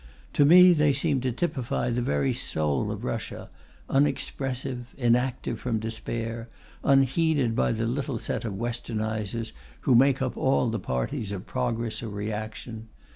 To me they seemed to typify the very soul of Russia, unexpressive, inactive from despair, unheeded by the little set of Westernizers who make up all the parties of progress or reaction.